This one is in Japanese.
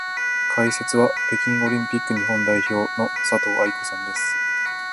解説は北京オリンピック日本代表の佐藤愛子さんです。